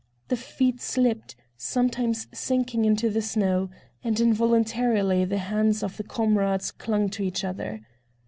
The feet slipped, sometimes sinking into the snow, and involuntarily the hands of the comrades clung to each other.